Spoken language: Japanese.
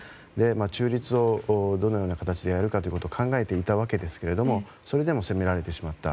中立をどのような形でやるかと考えていたんですがそれでも攻められてしまった。